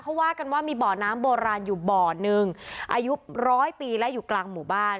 เขาว่ากันว่ามีบ่อน้ำโบราณอยู่บ่อนึงอายุร้อยปีและอยู่กลางหมู่บ้าน